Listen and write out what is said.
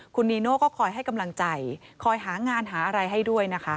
คุณนีโน่ก็คอยให้กำลังใจคอยหางานหาอะไรให้ด้วยนะคะ